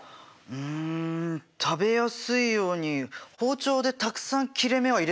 うん食べやすいように包丁でたくさん切れ目を入れておいたんだけどな。